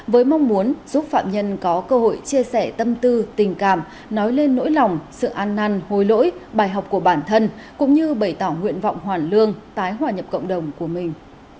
với mong muốn giúp phạm nhân có cơ hội chia sẻ tâm tư tình cảm nói lên nỗi lòng sự an năn hồi lỗi bài học của bản thân cũng như bày tỏ nguyện vọng hoàn lương tái hòa nhập cộng đồng của mình